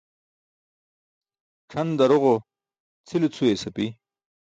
C̣ʰan daroġo cʰile cʰuyas api.